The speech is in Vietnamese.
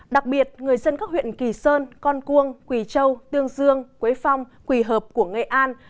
đặc biệt người dân các huyện kỳ sơn con cuông quỳ châu tương dương quế phong quỳ hợp của nghệ an